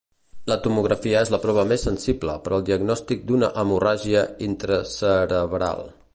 La tomografia és la prova més sensible per al diagnòstic d'una hemorràgia intracerebral.